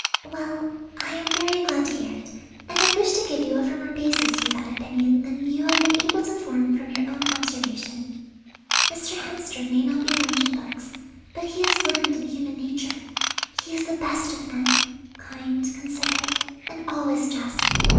Well, I am very glad to hear it, and I wish to give you a firmer basis for that opinion than you have been able to form from your own observation. Mr. Hemster may not be learned in books, but he is learned in human nature. He is the best of men, kind, considerate, and always just.